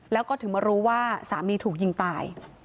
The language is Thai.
แล้วก็ถึงมารู้ว่าสามีถูกยิงตาย